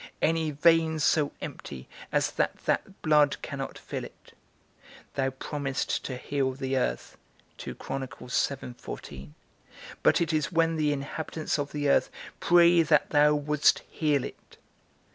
Any vein so empty as that that blood cannot fill it? Thou promisest to heal the earth; but it is when the inhabitants of the earth pray that thou wouldst heal it.